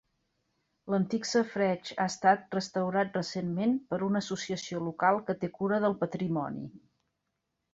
L'antic safareig ha estat restaurat recentment per una associació local que té cura del patrimoni.